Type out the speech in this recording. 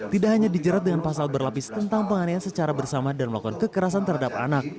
tidak hanya dijerat dengan pasal berlapis tentang penganiayaan secara bersama dan melakukan kekerasan terhadap anak